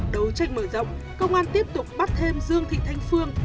đấu tranh mở rộng công an tiếp tục bắt thêm dương thị thanh phương